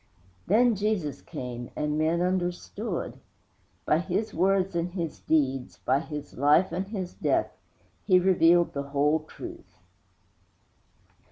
Then Jesus came, and men understood. By His words and His deeds, by His life and His death, He revealed the whole truth.